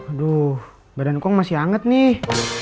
aduh badan kong masih hangat nih